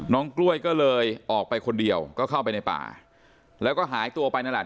กล้วยก็เลยออกไปคนเดียวก็เข้าไปในป่าแล้วก็หายตัวไปนั่นแหละ